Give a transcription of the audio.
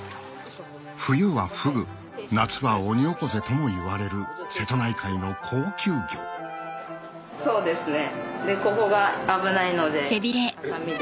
冬はフグ夏はオニオコゼともいわれる瀬戸内海の高級魚はさみで。